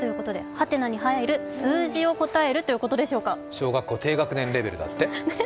小学校低学年レベルだって。